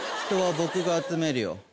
人は僕が集めるよ。